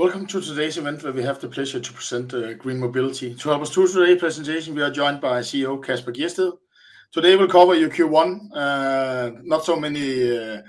Welcome to today's event, where we have the pleasure to present GreenMobility. To help us through today's presentation, we are joined by CEO Kasper Gjedsted. Today we'll cover your Q1, not so many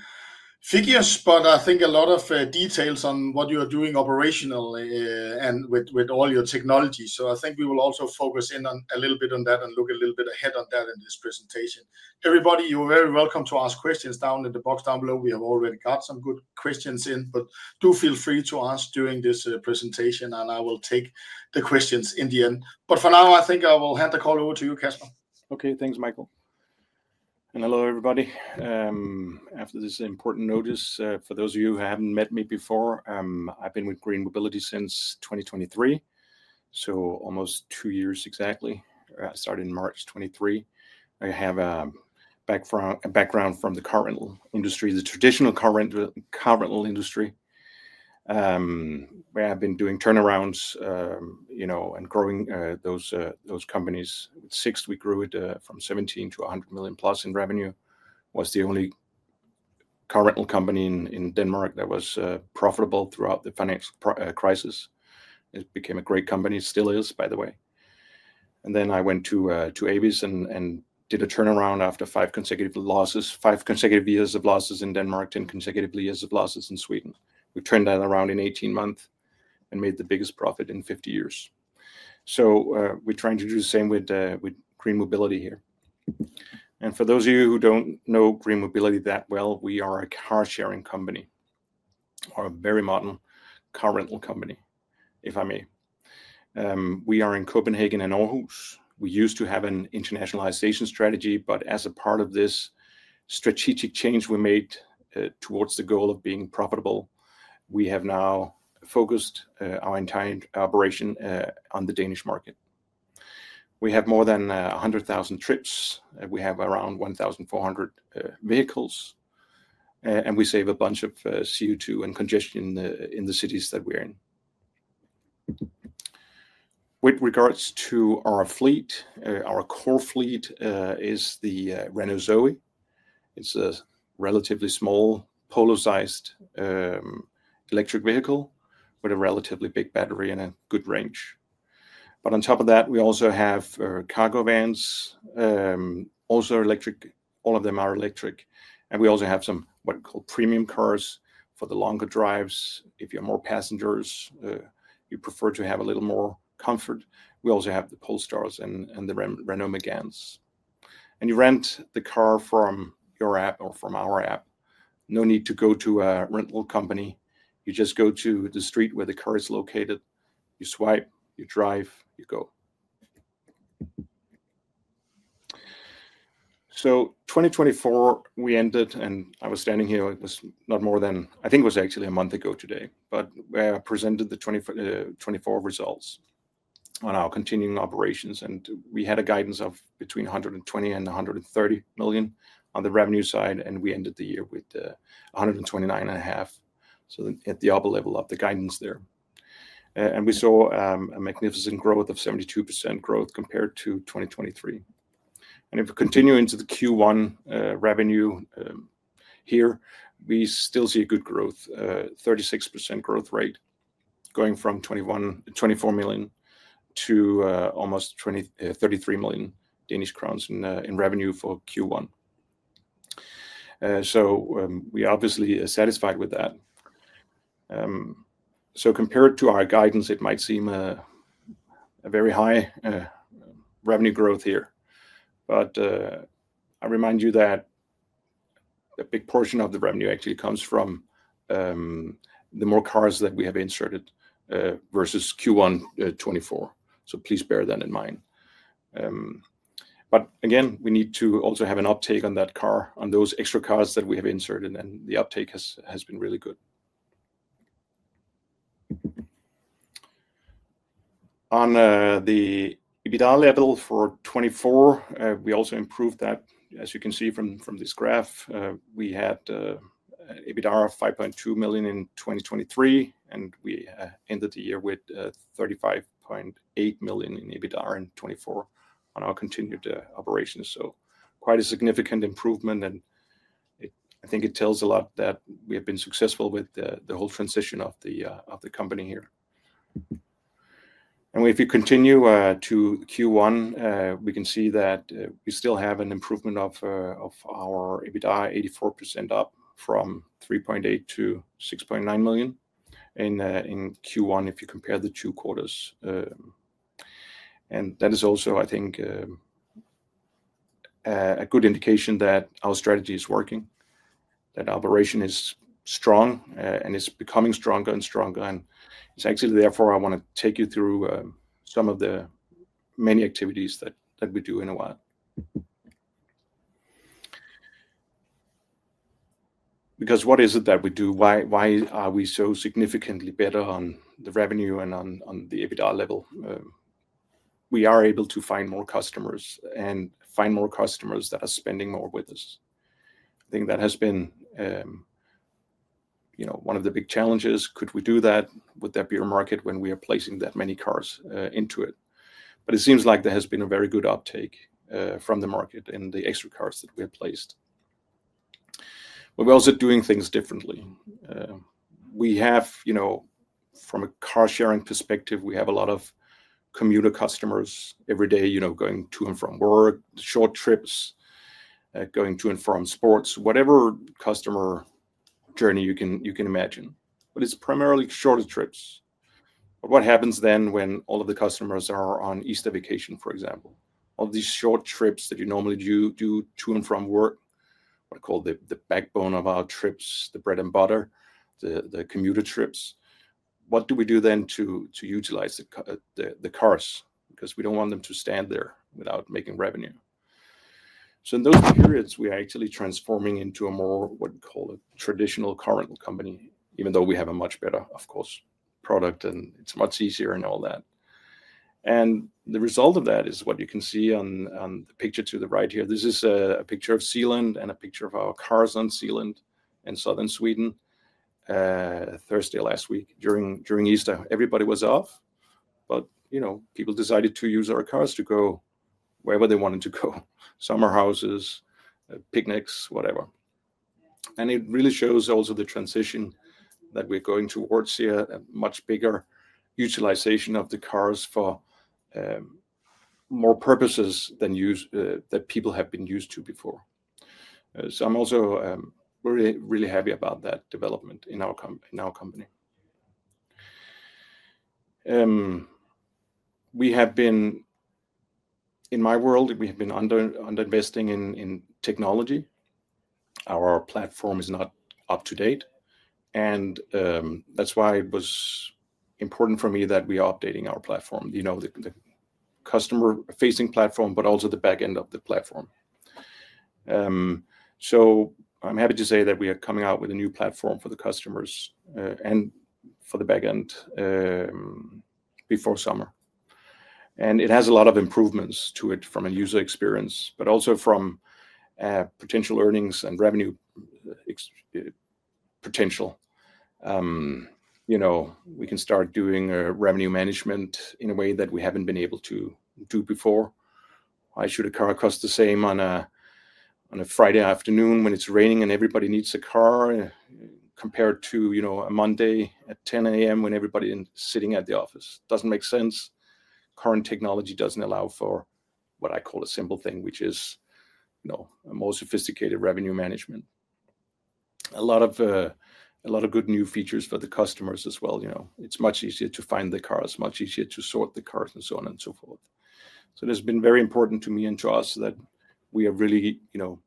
figures, but I think a lot of details on what you are doing operationally, and with all your technologies. I think we will also focus in on a little bit on that and look a little bit ahead on that in this presentation. Everybody, you are very welcome to ask questions down in the box down below. We have already got some good questions in, but do feel free to ask during this presentation, and I will take the questions in the end. For now, I think I will hand the call over to you, Kasper. Okay, thanks, Michael. Hello, everybody. After this important notice, for those of you who haven't met me before, I've been with GreenMobility since 2023, so almost two years exactly. I started in March 2023. I have a background, a background from the car rental industry, the traditional car rental, car rental industry, where I've been doing turnarounds, you know, and growing those, those companies. With Sixt, we grew it from 17 to 100 million plus in revenue. It was the only car rental company in Denmark that was profitable throughout the financial crisis. It became a great company. It still is, by the way. I went to Avis and did a turnaround after five consecutive years of losses in Denmark, ten consecutive years of losses in Sweden. We turned that around in 18 months and made the biggest profit in 50 years. We are trying to do the same with GreenMobility here. For those of you who do not know GreenMobility that well, we are a car-sharing company, or a very modern car rental company, if I may. We are in Copenhagen and Aarhus. We used to have an internationalization strategy, but as a part of this strategic change we made, towards the goal of being profitable, we have now focused our entire operation on the Danish market. We have more than 100,000 trips. We have around 1,400 vehicles, and we save a bunch of CO2 and congestion in the cities that we are in. With regards to our fleet, our core fleet is the Renault Zoe. It is a relatively small, polo-sized, electric vehicle with a relatively big battery and a good range. On top of that, we also have cargo vans, also electric. All of them are electric. We also have some what we call premium cars for the longer drives. If you have more passengers, you prefer to have a little more comfort. We also have the Polestars and the Renault Mégane. You rent the car from your app or from our app. No need to go to a rental company. You just go to the street where the car is located. You swipe, you drive, you go. In 2024, we ended, and I was standing here. It was not more than, I think it was actually a month ago today, but where I presented the 2024 results on our continuing operations. We had a guidance of between 120 million and 130 million on the revenue side, and we ended the year with 129.5 million. At the upper level of the guidance there. We saw a magnificent growth of 72% growth compared to 2023. If we continue into the Q1 revenue here, we still see a good growth, 36% growth rate, going from 21 million, 24 million to almost 20 million, 33 million Danish crowns in revenue for Q1. We obviously are satisfied with that. Compared to our guidance, it might seem a very high revenue growth here. I remind you that a big portion of the revenue actually comes from the more cars that we have inserted versus Q1 2024. Please bear that in mind. Again, we need to also have an uptake on that car, on those extra cars that we have inserted, and the uptake has been really good. On the EBITDA level for 2024, we also improved that, as you can see from this graph. We had EBITDA of 5.2 million in 2023, and we ended the year with 35.8 million in EBITDA in 2024 on our continued operations. Quite a significant improvement, and I think it tells a lot that we have been successful with the whole transition of the company here. If you continue to Q1, we can see that we still have an improvement of our EBITDA, 84% up from 3.8 million to 6.9 million in Q1 if you compare the two quarters. That is also, I think, a good indication that our strategy is working, that our operation is strong, and is becoming stronger and stronger. It is actually therefore I want to take you through some of the many activities that we do in a while. Because what is it that we do? Why, why are we so significantly better on the revenue and on the EBITDA level? We are able to find more customers and find more customers that are spending more with us. I think that has been, you know, one of the big challenges. Could we do that? Would that be a market when we are placing that many cars into it? It seems like there has been a very good uptake from the market and the extra cars that we have placed. We are also doing things differently. We have, you know, from a car-sharing perspective, we have a lot of commuter customers every day, you know, going to and from work, short trips, going to and from sports, whatever customer journey you can, you can imagine. It is primarily shorter trips. What happens then when all of the customers are on Easter vacation, for example? All these short trips that you normally do, do to and from work, what I call the backbone of our trips, the bread and butter, the commuter trips. What do we do then to utilize the cars? We do not want them to stand there without making revenue. In those periods, we are actually transforming into a more, what we call a traditional car rental company, even though we have a much better, of course, product and it is much easier and all that. The result of that is what you can see on the picture to the right here. This is a picture of Zealand and a picture of our cars on Zealand in southern Sweden, Thursday last week during Easter. Everybody was off, but, you know, people decided to use our cars to go wherever they wanted to go, summer houses, picnics, whatever. It really shows also the transition that we are going towards here, a much bigger utilization of the cars for more purposes than people have been used to before. I am also really, really happy about that development in our company. We have been, in my world, underinvesting in technology. Our platform is not up to date. That is why it was important for me that we are updating our platform, you know, the customer-facing platform, but also the backend of the platform. I am happy to say that we are coming out with a new platform for the customers, and for the backend, before summer. It has a lot of improvements to it from a user experience, but also from potential earnings and revenue, ex, potential. You know, we can start doing revenue management in a way that we have not been able to do before. Why should a car cost the same on a Friday afternoon when it is raining and everybody needs a car compared to, you know, a Monday at 10:00 A.M. when everybody is sitting at the office? Does not make sense. Current technology does not allow for what I call a simple thing, which is, you know, a more sophisticated revenue management. A lot of, a lot of good new features for the customers as well. You know, it is much easier to find the cars, much easier to sort the cars, and so on and so forth. It has been very important to me and to us that we are really, you know,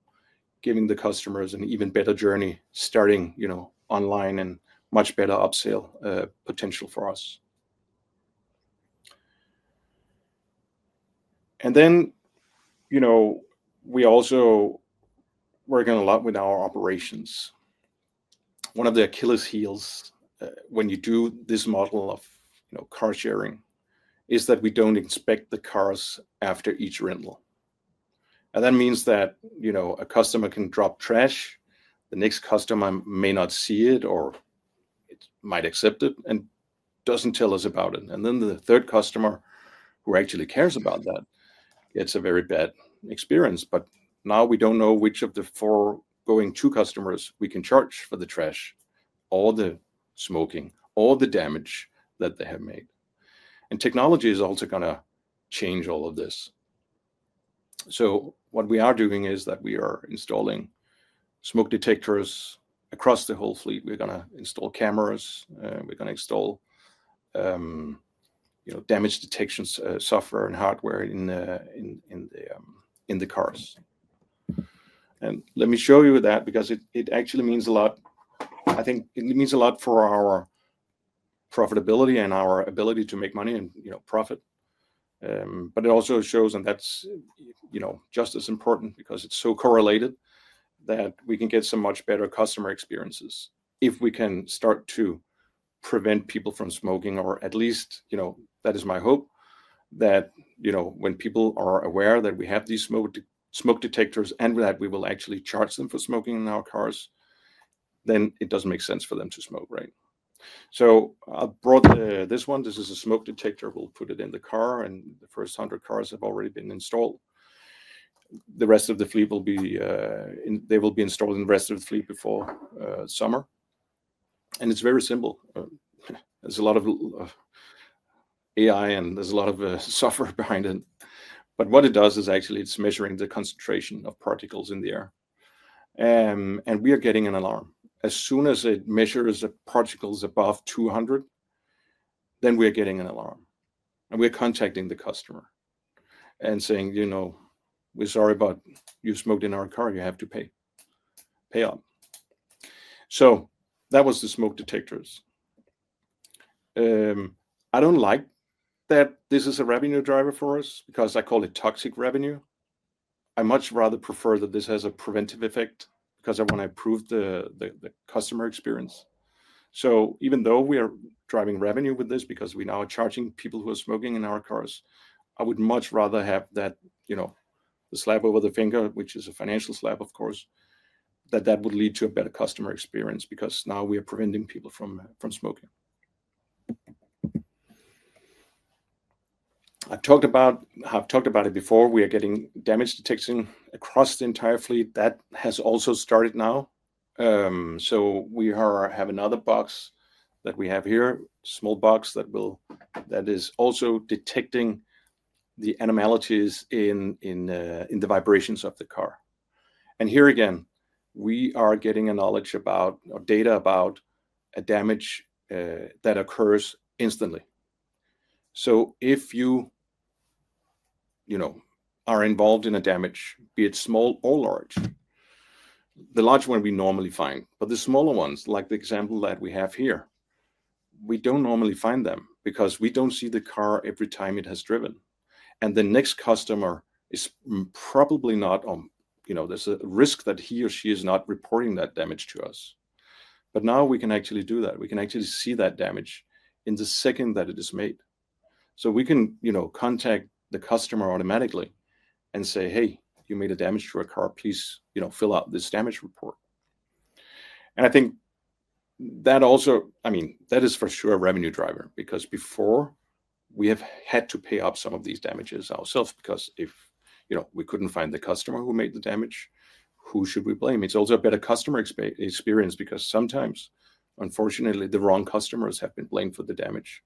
giving the customers an even better journey starting, you know, online and much better upsale, potential for us. You know, we also work on a lot with our operations. One of the Achilles heels, when you do this model of, you know, car sharing is that we do not inspect the cars after each rental. That means that, you know, a customer can drop trash. The next customer may not see it or might accept it and doesn't tell us about it. The third customer who actually cares about that gets a very bad experience. Now we don't know which of the four going-to customers we can charge for the trash, all the smoking, all the damage that they have made. Technology is also gonna change all of this. What we are doing is that we are installing smoke detectors across the whole fleet. We're gonna install cameras. We're gonna install, you know, damage detection, software and hardware in the cars. Let me show you that because it actually means a lot. I think it means a lot for our profitability and our ability to make money and, you know, profit. but it also shows, and that's, you know, just as important because it's so correlated that we can get some much better customer experiences if we can start to prevent people from smoking, or at least, you know, that is my hope that, you know, when people are aware that we have these smoke detectors and that we will actually charge them for smoking in our cars, then it doesn't make sense for them to smoke, right? I brought this one. This is a smoke detector. We'll put it in the car, and the first 100 cars have already been installed. The rest of the fleet will be, in, they will be installed in the rest of the fleet before summer. It's very simple. There's a lot of AI and there's a lot of software behind it. What it does is actually it's measuring the concentration of particles in the air, and we are getting an alarm. As soon as it measures the particles above 200, then we are getting an alarm. We are contacting the customer and saying, you know, we're sorry, but you smoked in our car. You have to pay, pay up. That was the smoke detectors. I don't like that this is a revenue driver for us because I call it toxic revenue. I much rather prefer that this has a preventive effect because I want to improve the, the, the customer experience. Even though we are driving revenue with this because we now are charging people who are smoking in our cars, I would much rather have that, you know, the slap over the finger, which is a financial slap, of course, that that would lead to a better customer experience because now we are preventing people from, from smoking. I've talked about, I've talked about it before. We are getting damage detection across the entire fleet. That has also started now. We have another box that we have here, a small box that will, that is also detecting the anomalies in, in, in the vibrations of the car. Here again, we are getting knowledge about or data about a damage that occurs instantly. If you, you know, are involved in a damage, be it small or large, the large one we normally find, but the smaller ones, like the example that we have here, we do not normally find them because we do not see the car every time it has driven. The next customer is probably not on, you know, there is a risk that he or she is not reporting that damage to us. Now we can actually do that. We can actually see that damage in the second that it is made. We can, you know, contact the customer automatically and say, hey, you made a damage to a car. Please, you know, fill out this damage report. I think that also, I mean, that is for sure a revenue driver because before we have had to pay up some of these damages ourselves because if, you know, we couldn't find the customer who made the damage, who should we blame? It's also a better customer experience because sometimes, unfortunately, the wrong customers have been blamed for the damage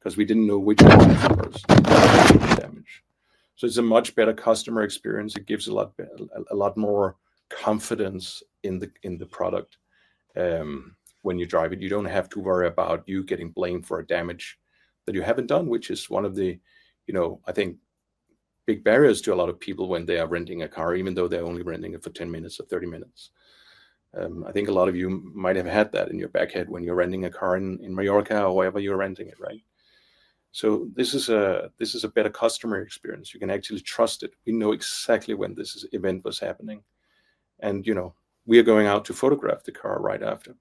because we didn't know which customers caused the damage. So it's a much better customer experience. It gives a lot, a lot more confidence in the product, when you drive it. You don't have to worry about you getting blamed for a damage that you haven't done, which is one of the, you know, I think, big barriers to a lot of people when they are renting a car, even though they're only renting it for 10 minutes or 30 minutes. I think a lot of you might have had that in your backhead when you're renting a car in Mallorca or wherever you're renting it, right? This is a better customer experience. You can actually trust it. We know exactly when this event was happening. You know, we are going out to photograph the car right after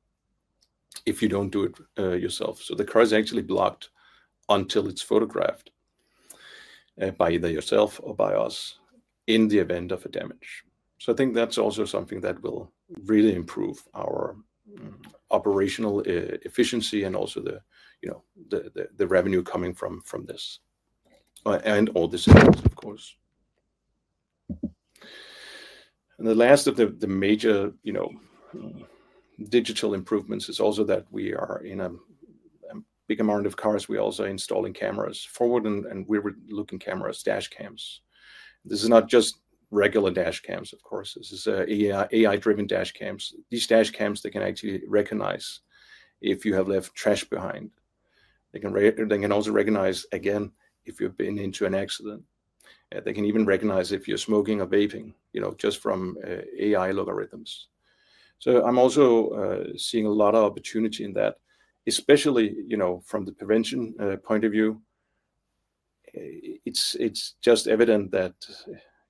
if you don't do it yourself. The car is actually blocked until it's photographed, by either yourself or by us in the event of a damage. I think that's also something that will really improve our operational efficiency and also the revenue coming from this and all this else, of course. The last of the major digital improvements is also that we are in a big amount of cars. We are also installing cameras forward and we were looking at cameras, dash cams. This is not just regular dash cams, of course. This is AI, AI-driven dash cams. These dash cams, they can actually recognize if you have left trash behind. They can, they can also recognize again if you've been into an accident. They can even recognize if you're smoking or vaping, you know, just from AI algorithms. So I'm also seeing a lot of opportunity in that, especially, you know, from the prevention point of view. It's just evident that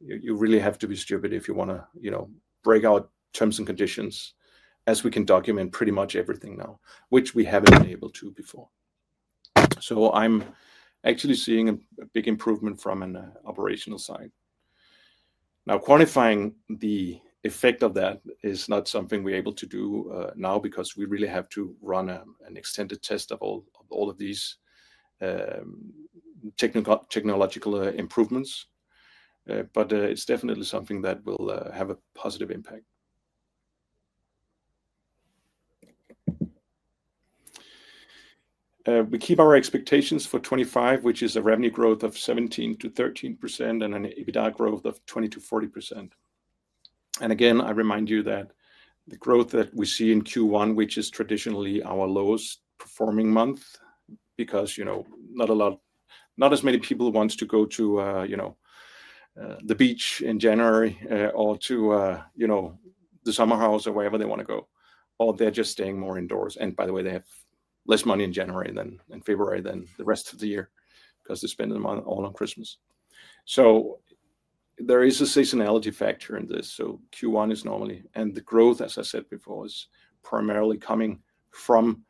you really have to be stupid if you want to, you know, break our terms and conditions as we can document pretty much everything now, which we haven't been able to before. So I'm actually seeing a big improvement from an operational side. Now, quantifying the effect of that is not something we're able to do now because we really have to run an extended test of all of these technical, technological improvements. It is definitely something that will have a positive impact. We keep our expectations for 2025, which is a revenue growth of 17-13% and an EBITDA growth of 20-40%. Again, I remind you that the growth that we see in Q1, which is traditionally our lowest performing month because, you know, not as many people want to go to, you know, the beach in January, or to, you know, the summer house or wherever they want to go, or they are just staying more indoors. By the way, they have less money in January than in February than the rest of the year because they spend them all on Christmas. There is a seasonality factor in this. Q1 is normally, and the growth, as I said before, is primarily coming from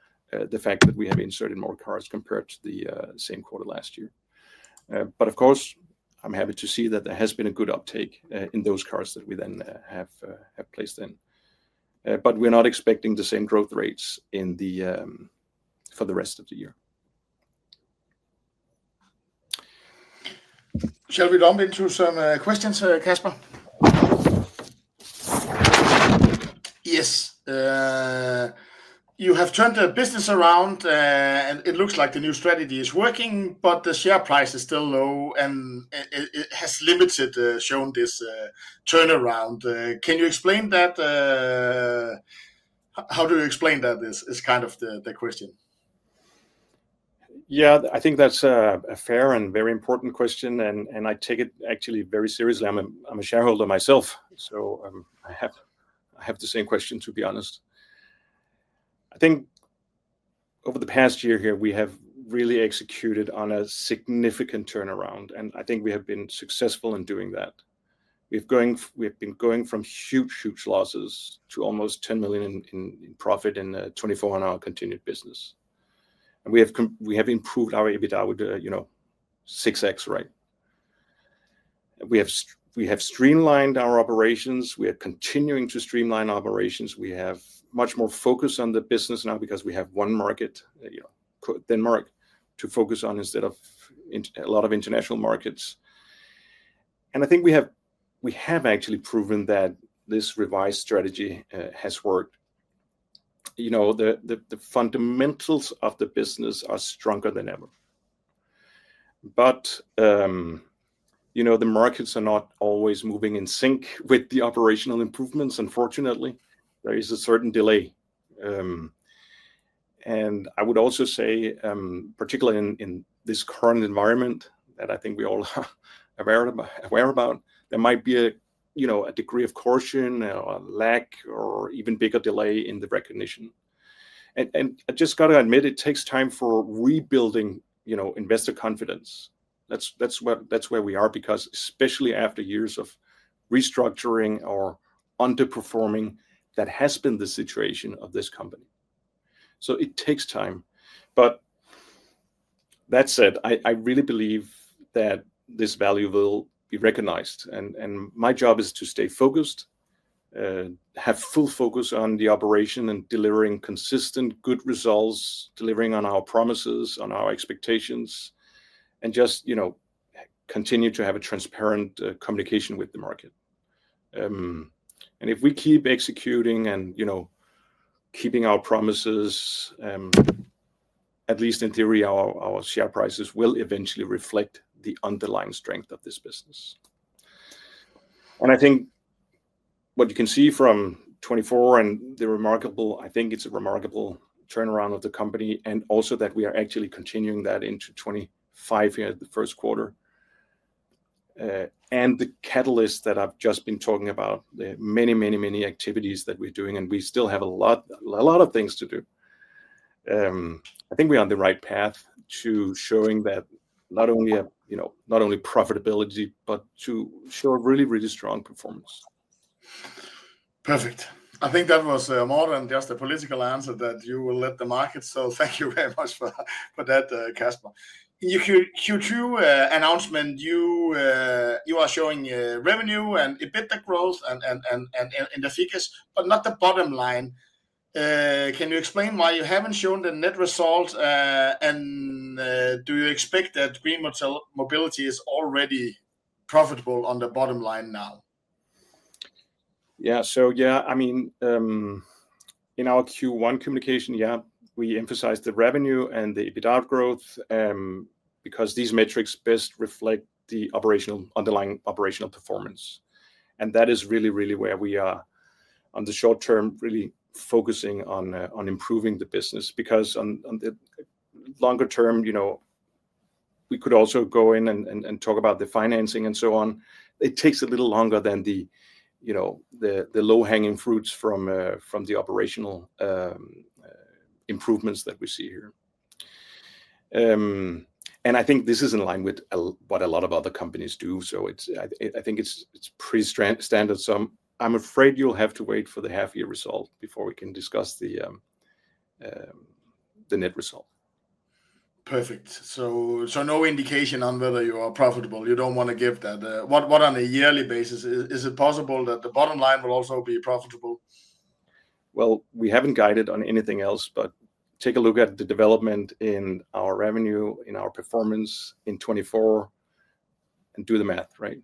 the fact that we have inserted more cars compared to the same quarter last year. Of course, I'm happy to see that there has been a good uptake in those cars that we then have placed in. We are not expecting the same growth rates for the rest of the year. Shall we jump into some questions, Kasper? Yes. You have turned the business around, and it looks like the new strategy is working, but the share price is still low and it has limited, shown this turnaround. Can you explain that? How do you explain that is, is kind of the question? Yeah, I think that's a fair and very important question. I take it actually very seriously. I'm a shareholder myself. I have the same question, to be honest. I think over the past year here, we have really executed on a significant turnaround, and I think we have been successful in doing that. We have been going from huge, huge losses to almost 10 million in profit in a 24-hour continued business. We have improved our EBITDA with a six X, right? We have streamlined our operations. We are continuing to streamline our operations. We have much more focus on the business now because we have one market, you know, Denmark to focus on instead of a lot of international markets. I think we have, we have actually proven that this revised strategy has worked. You know, the fundamentals of the business are stronger than ever. You know, the markets are not always moving in sync with the operational improvements. Unfortunately, there is a certain delay. I would also say, particularly in this current environment that I think we all are aware about, there might be a, you know, a degree of caution or a lack or even bigger delay in the recognition. I just gotta admit, it takes time for rebuilding, you know, investor confidence. That's what, that's where we are because especially after years of restructuring or underperforming, that has been the situation of this company. It takes time. That said, I really believe that this value will be recognized. My job is to stay focused, have full focus on the operation and delivering consistent good results, delivering on our promises, on our expectations, and just, you know, continue to have a transparent communication with the market. If we keep executing and, you know, keeping our promises, at least in theory, our share prices will eventually reflect the underlying strength of this business. I think what you can see from 2024 and the remarkable, I think it's a remarkable turnaround of the company and also that we are actually continuing that into 2025 here, the first quarter. The catalyst that I've just been talking about, the many, many, many activities that we are doing, and we still have a lot, a lot of things to do. I think we are on the right path to showing that not only, you know, not only profitability, but to show a really, really strong performance. Perfect. I think that was more than just a political answer that you will let the market. Thank you very much for that, Kasper. In your Q2 announcement, you are showing revenue and EBITDA growth in the figures, but not the bottom line. Can you explain why you haven't shown the net result? Do you expect that GreenMobility is already profitable on the bottom line now? Yeah. Yeah, I mean, in our Q1 communication, I mean, we emphasize the revenue and the EBITDA growth, because these metrics best reflect the underlying operational performance. That is really, really where we are on the short term, really focusing on improving the business because on the longer term, you know, we could also go in and talk about the financing and so on. It takes a little longer than the low hanging fruits from the operational improvements that we see here. I think this is in line with what a lot of other companies do. I think it's pretty standard. I'm afraid you'll have to wait for the half year result before we can discuss the net result. Perfect. No indication on whether you are profitable. You don't wanna give that. What, what on a yearly basis, is it possible that the bottom line will also be profitable? We haven't guided on anything else, but take a look at the development in our revenue, in our performance in 2024 and do the math, right?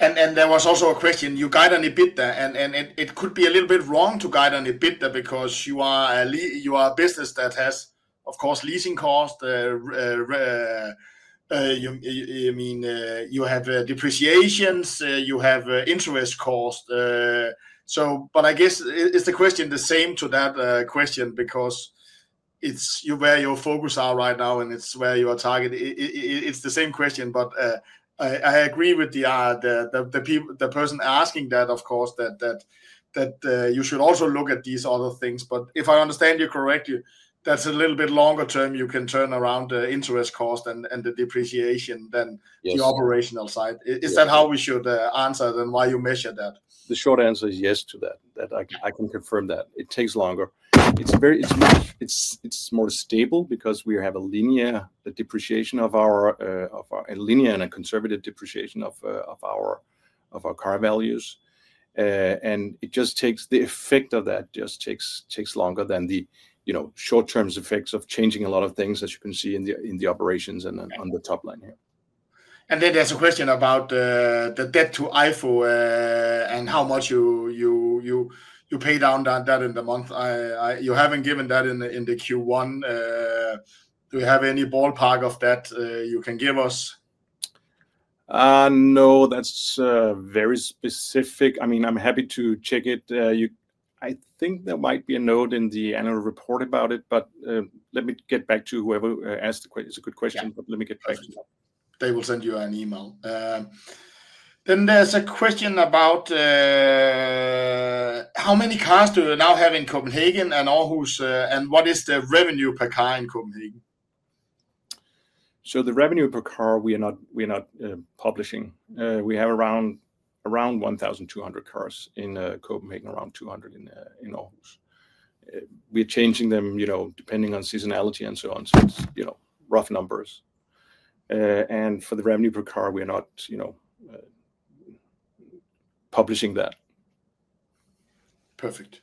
Check. There was also a question. You guide on EBITDA and it could be a little bit wrong to guide on EBITDA because you are a business that has, of course, leasing cost, you have depreciations, you have interest cost. I guess it's the question the same to that question because it's you where your focus are right now and it's where your target. It's the same question, but I agree with the person asking that, of course, that you should also look at these other things. If I understand you correctly, that's a little bit longer term. You can turn around the interest cost and the depreciation than the operational side. Is that how we should answer and why you measure that? The short answer is yes to that. I can confirm that it takes longer. It's more stable because we have a linear and a conservative depreciation of our car values, and the effect of that just takes longer than the short term effects of changing a lot of things as you can see in the operations and on the top line here. There is a question about the debt to IFO, and how much you pay down that in the month. You have not given that in the Q1. Do you have any ballpark of that you can give us? No, that's very specific. I mean, I'm happy to check it. I think there might be a note in the annual report about it, but let me get back to whoever asked the question. It's a good question, but let me get back to that. They will send you an email. Then there's a question about how many cars do you now have in Copenhagen and Aarhus, and what is the revenue per car in Copenhagen? The revenue per car we are not, we are not publishing. We have around 1,200 cars in Copenhagen, around 200 in Aarhus. We are changing them, you know, depending on seasonality and so on. It is, you know, rough numbers. For the revenue per car, we are not, you know, publishing that. Perfect.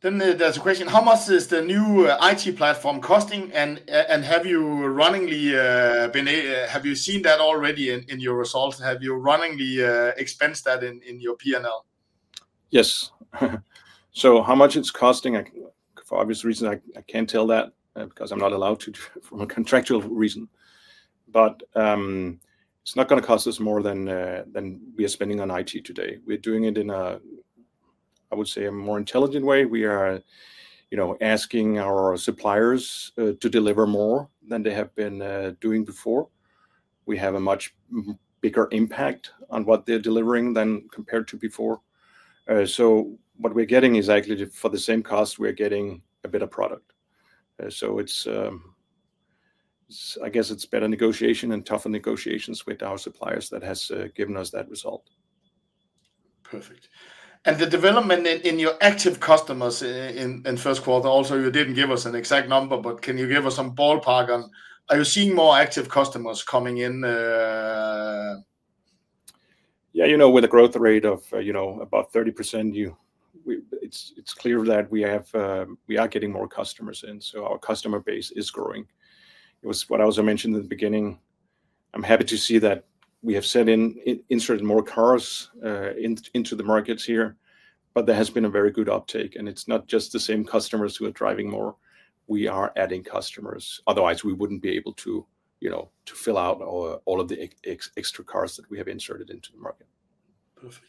There is a question. How much is the new IT platform costing? Have you seen that already in your results? Have you expensed that in your P&L? Yes. How much it's costing, I can, for obvious reasons, I can't tell that, because I'm not allowed to do from a contractual reason. It's not gonna cost us more than we are spending on IT today. We are doing it in a, I would say, a more intelligent way. We are, you know, asking our suppliers to deliver more than they have been doing before. We have a much bigger impact on what they're delivering than compared to before. What we are getting is actually for the same cost, we are getting a better product. I guess it's better negotiation and tougher negotiations with our suppliers that has given us that result. Perfect. The development in your active customers in first quarter also, you did not give us an exact number, but can you give us some ballpark on, are you seeing more active customers coming in? Yeah, you know, with a growth rate of, you know, about 30%, you, we, it's, it's clear that we have, we are getting more customers in. So our customer base is growing. It was what I also mentioned in the beginning. I'm happy to see that we have set in, inserted more cars, into, into the markets here, but there has been a very good uptake and it's not just the same customers who are driving more. We are adding customers. Otherwise we wouldn't be able to, you know, to fill out all, all of the ex, extra cars that we have inserted into the market. Perfect.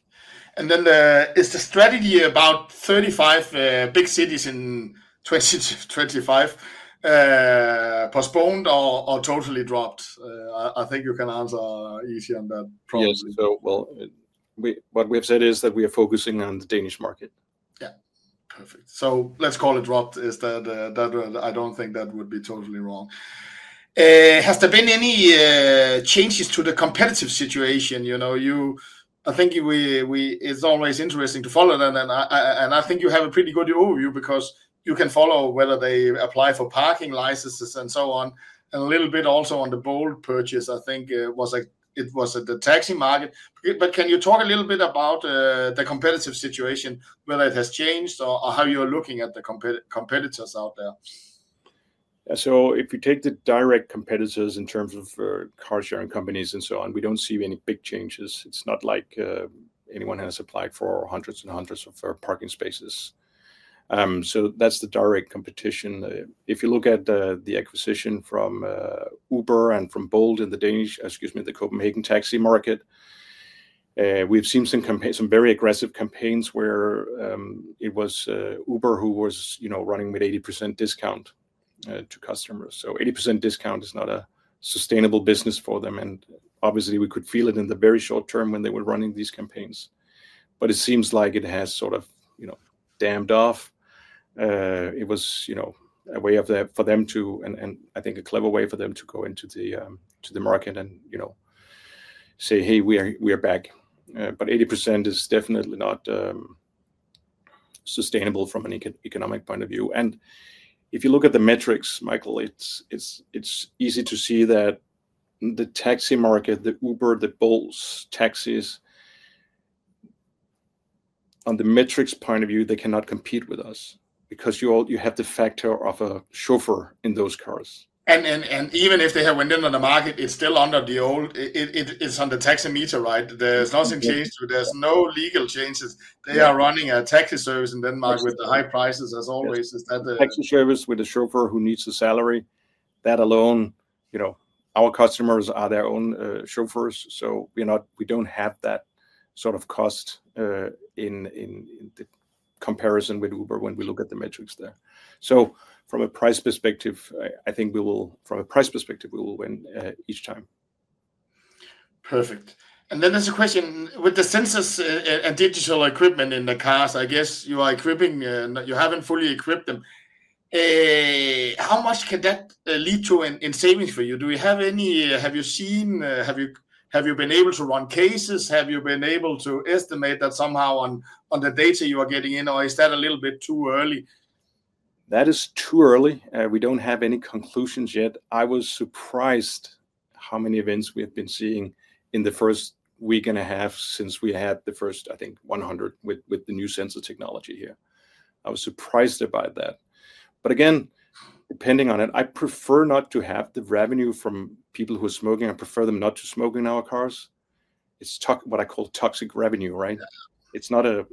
Is the strategy about 35 big cities in 2025 postponed or totally dropped? I think you can answer easy on that problem. Yes. So, we, what we have said is that we are focusing on the Danish market. Yeah. Perfect. Let's call it dropped, is that, that, I don't think that would be totally wrong. Has there been any changes to the competitive situation? You know, I think we, we, it's always interesting to follow that. I think you have a pretty good overview because you can follow whether they apply for parking licenses and so on. A little bit also on the Bolt purchase, I think, was a, it was the taxi market. Can you talk a little bit about the competitive situation, whether it has changed or how you are looking at the competitors out there? Yeah. If you take the direct competitors in terms of car sharing companies and so on, we do not see any big changes. It is not like anyone has applied for hundreds and hundreds of parking spaces. That is the direct competition. If you look at the acquisition from Uber and from Bolt in the Danish, excuse me, the Copenhagen taxi market, we have seen some very aggressive campaigns where it was Uber who was, you know, running with 80% discount to customers. 80% discount is not a sustainable business for them. Obviously, we could feel it in the very short term when they were running these campaigns, but it seems like it has sort of, you know, damped off. It was, you know, a way of the, for them to, and I think a clever way for them to go into the, to the market and, you know, say, hey, we are, we are back. 80% is definitely not sustainable from an economic point of view. If you look at the metrics, Michael, it's easy to see that the taxi market, the Uber, the Bolt's taxis, on the metrics point of view, they cannot compete with us because you have the factor of a chauffeur in those cars. Even if they have went in on the market, it's still under the old, it's on the taxi meter, right? There's nothing changed. There's no legal changes. They are running a taxi service in Denmark with the high prices as always. Is that the. Taxi service with a chauffeur who needs a salary. That alone, you know, our customers are their own chauffeurs. We do not have that sort of cost in the comparison with Uber when we look at the metrics there. From a price perspective, I think we will, from a price perspective, we will win each time. Perfect. There is a question with the sensors and digital equipment in the cars. I guess you are equipping, you have not fully equipped them. How much can that lead to in savings for you? Do you have any, have you seen, have you been able to run cases? Have you been able to estimate that somehow on the data you are getting in, or is that a little bit too early? That is too early. We do not have any conclusions yet. I was surprised how many events we have been seeing in the first week and a half since we had the first, I think, 100 with the new sensor technology here. I was surprised about that. Again, depending on it, I prefer not to have the revenue from people who are smoking. I prefer them not to smoke in our cars. It is what I call toxic revenue, right? It is not a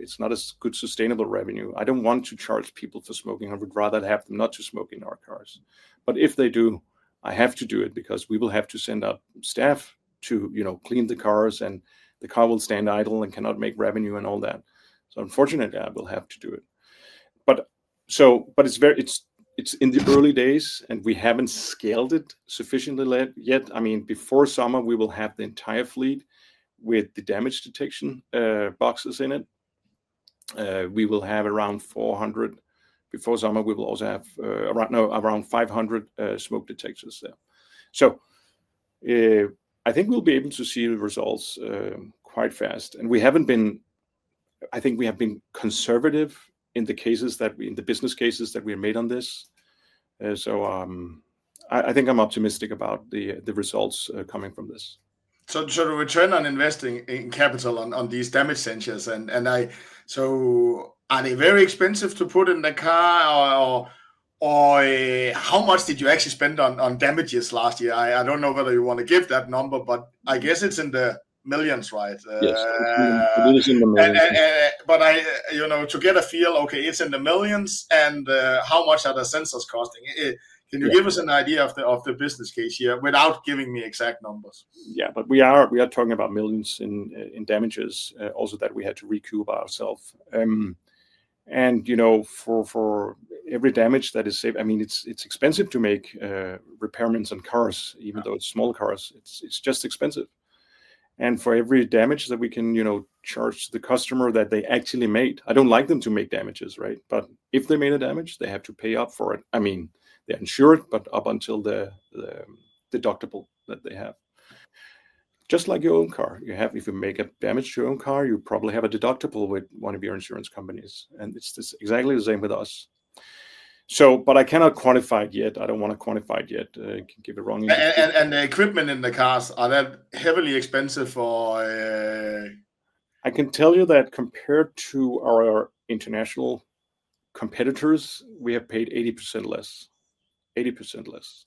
good sustainable revenue. I do not want to charge people for smoking. I would rather have them not to smoke in our cars. If they do, I have to do it because we will have to send out staff to, you know, clean the cars and the car will stand idle and cannot make revenue and all that. Unfortunately, I will have to do it. It is in the early days and we have not scaled it sufficiently yet. I mean, before summer, we will have the entire fleet with the damage detection boxes in it. We will have around 400 before summer. We will also have around 500 smoke detectors there. I think we will be able to see the results quite fast. We have been conservative in the cases that we, in the business cases that we have made on this. I think I am optimistic about the results coming from this. The return on investing in capital on these damage sensors and I, so are they very expensive to put in the car or how much did you actually spend on damages last year? I don't know whether you wanna give that number, but I guess it's in the millions, right? Yes. It is in the millions. I, you know, to get a feel, okay, it's in the millions and, how much are the sensors costing? Can you give us an idea of the business case here without giving me exact numbers? Yeah, but we are talking about millions in damages, also that we had to recoup ourself. You know, for every damage that is saved, I mean, it's expensive to make repairments on cars, even though it's small cars, it's just expensive. For every damage that we can, you know, charge the customer that they actually made, I don't like them to make damages, right? But if they made a damage, they have to pay up for it. I mean, they're insured, but up until the deductible that they have. Just like your own car, you have, if you make a damage to your own car, you probably have a deductible with one of your insurance companies. It's exactly the same with us. I cannot quantify it yet. I don't wanna quantify it yet. I can give it wrong. And the equipment in the cars, are that heavily expensive for, I can tell you that compared to our international competitors, we have paid 80% less, 80% less.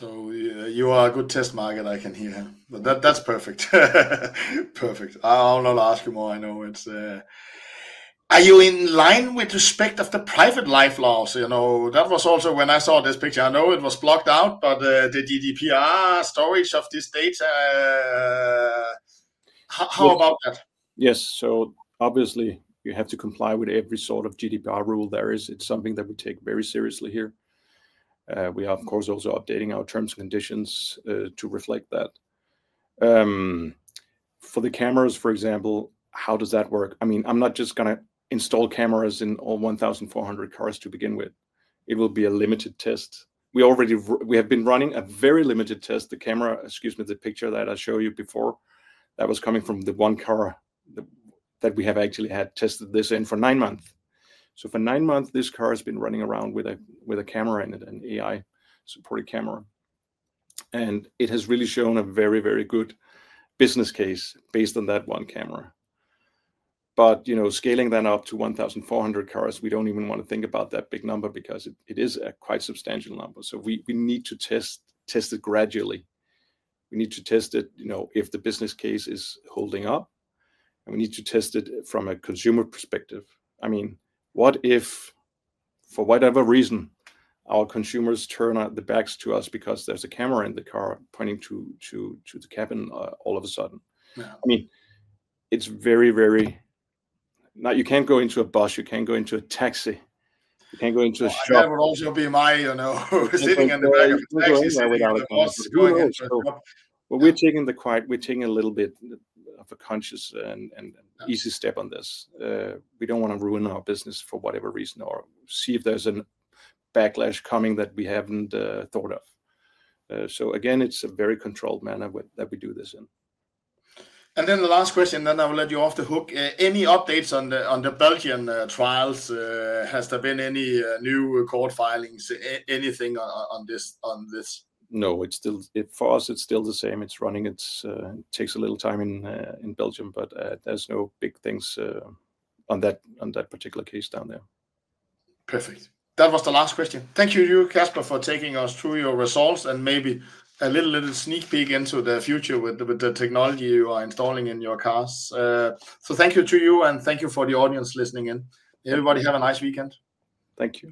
You are a good test market, I can hear. That, that's perfect. Perfect. I'll not ask you more. I know it's, are you in line with respect of the private life laws? You know, that was also when I saw this picture. I know it was blocked out, but, the GDPR storage of this data, how, how about that? Yes. Obviously you have to comply with every sort of GDPR rule there is. It's something that we take very seriously here. We are, of course, also updating our terms and conditions to reflect that. For the cameras, for example, how does that work? I mean, I'm not just gonna install cameras in all 1,400 cars to begin with. It will be a limited test. We already, we have been running a very limited test. The picture that I showed you before, that was coming from the one car that we have actually had tested this in for nine months. For nine months, this car has been running around with a camera in it, an AI-supported camera. It has really shown a very, very good business case based on that one camera. You know, scaling that up to 1,400 cars, we don't even want to think about that big number because it is a quite substantial number. We need to test, test it gradually. We need to test it, you know, if the business case is holding up and we need to test it from a consumer perspective. I mean, what if for whatever reason our consumers turn their backs to us because there is a camera in the car pointing to the cabin all of a sudden? I mean, it is very, very not, you can't go into a bus, you can't go into a taxi, you can't go into a shop. I would also be my, you know, sitting in the back of a taxi. We are taking the quiet, we're taking a little bit of a conscious and easy step on this. We don't wanna ruin our business for whatever reason or see if there's a backlash coming that we haven't thought of. Again, it's a very controlled manner that we do this in. The last question, then I'll let you off the hook. Any updates on the Belgian trials? Has there been any new court filings, anything on this? No, it's still, for us, it's still the same. It's running, it takes a little time in Belgium, but there's no big things on that, on that particular case down there. Perfect. That was the last question. Thank you to you, Kasper, for taking us through your results and maybe a little, little sneak peek into the future with the technology you are installing in your cars. Thank you to you and thank you for the audience listening in. Everybody have a nice weekend. Thank you.